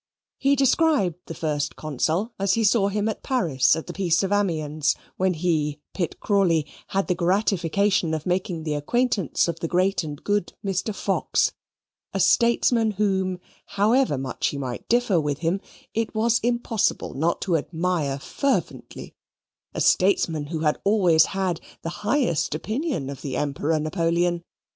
He described the First Consul as he saw him at Paris at the peace of Amiens; when he, Pitt Crawley, had the gratification of making the acquaintance of the great and good Mr. Fox, a statesman whom, however much he might differ with him, it was impossible not to admire fervently a statesman who had always had the highest opinion of the Emperor Napoleon.